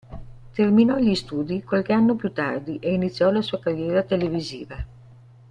Terminò gli studi qualche anno più tardi e iniziò la sua carriera televisiva.